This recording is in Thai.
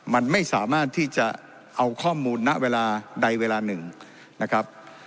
มันไม่สามารถที่จะเอาข้อมูลณเวลาใดเวลาหนึ่งนะครับ